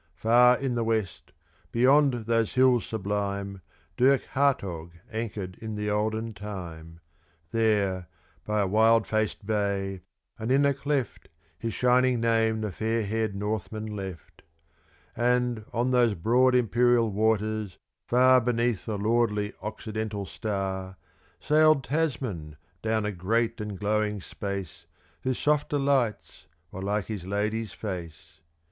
*4* Far in the west, beyond those hills sublime, Dirk Hartog anchored in the olden time; There, by a wild faced bay, and in a cleft, His shining name the fair haired Northman left;*5* And, on those broad imperial waters, far Beneath the lordly occidental star, Sailed Tasman down a great and glowing space Whose softer lights were like his lady's face.